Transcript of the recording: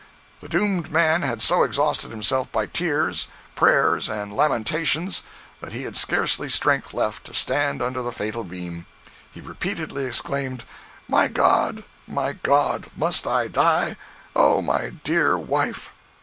The doomed man had so exhausted himself by tears, prayers and lamentations, that he had scarcely strength left to stand under the fatal beam. He repeatedly exclaimed, "My God! my God! must I die? Oh, my dear wife!"